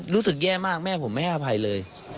รู้สึกแย่มากแม่ผมไม่ให้อภัยเลย